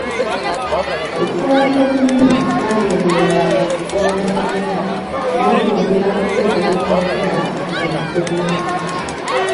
Ekikolwa ky’okumenya kyagendererwanga kugonza magumba n’okwongera okuteekateeka omukyala asumulukuke bulungi.